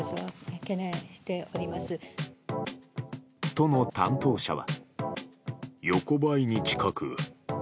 都の担当者は。